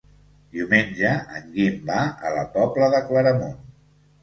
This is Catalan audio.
Diumenge en Guim va a la Pobla de Claramunt.